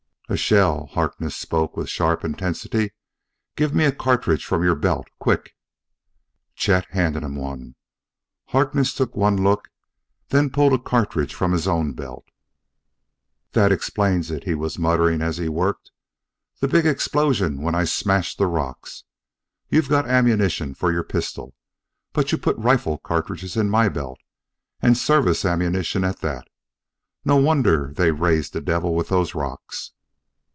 "A shell!" Harkness spoke with sharp intensity. "Give me a cartridge from your belt, quick!" Chet handed him one. Harkness took one look, then pulled a cartridge from his own belt. "That explains it," he was muttering as he worked, " the big explosion when I smashed the rocks. You've got ammunition for your pistol, but you put rifle cartridges in my belt and service ammunition at that. No wonder they raised the devil with those rocks!"